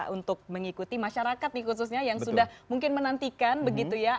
untuk mengikuti masyarakat nih khususnya yang sudah mungkin menantikan begitu ya